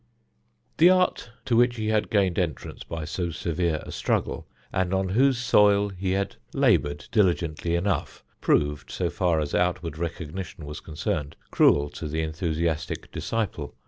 The art to which he had gained entrance by so severe a struggle, and on whose soil he had laboured diligently enough, proved, so far as outward recognition was concerned, cruel to the enthusiastic disciple.